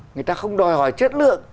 người ta không đòi hỏi chất lượng